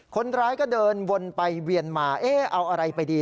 คนร้ายก็เดินวนไปเวียนมาเอ๊ะเอาอะไรไปดี